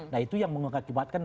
nah itu yang mengakibatkan